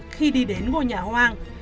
khi đi đến ngôi nhà hoang